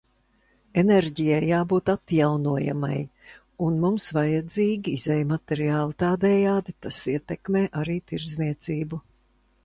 Enerģijai jābūt atjaunojamai, un mums vajadzīgi izejmateriāli, tādējādi tas ietekmē arī tirdzniecību.